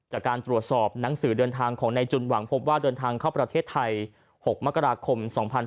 จากการตรวจสอบหนังสือเดินทางของนายจุนหวังพบว่าเดินทางเข้าประเทศไทย๖มกราคม๒๕๖๒